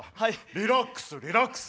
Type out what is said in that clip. リラックスリラックス！